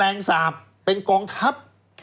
แมลงสาบเป็นกองทัพ